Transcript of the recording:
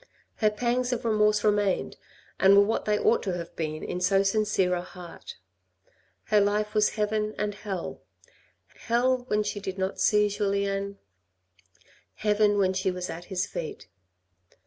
Her pangs of remorse re mained, and were what they ought to have been in so sincere a heart. Her life was heaven and hell : hell when she did not see Julien ; heaven when she was at his feet.